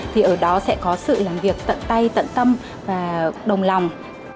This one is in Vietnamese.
thì ở đó sẽ có sự làm việc tận tay tận tâm và đồng lòng